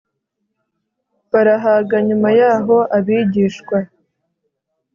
barahaga nyuma yaho abigishwa